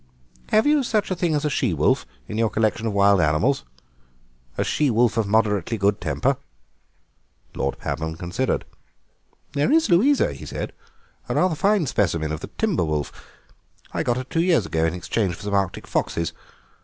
"Have you such a thing as a she wolf in your collection of wild animals? A she wolf of moderately good temper?" Lord Pabham considered. "There is Louisa," he said, "a rather fine specimen of the timber wolf. I got her two years ago in exchange for some Arctic foxes.